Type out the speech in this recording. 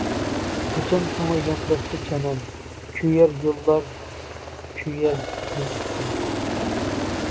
قاچان ساڭا يانداشسا جانان، كۆيەر يوللار، كۆيەر زىمىستان.